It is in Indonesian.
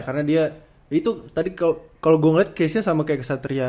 karena dia itu tadi kalo gue ngeliat case nya sama kayak ksatria